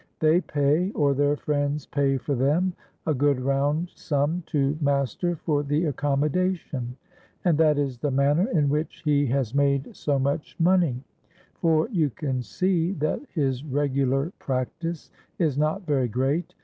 They pay, or their friends pay for them, a good round sum to master for the accommodation; and that is the manner in which he has made so much money; for you can see that his regular practice is not very great.